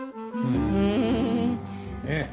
うん。ねえ。